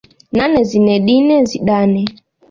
Nane Zinedine Zidane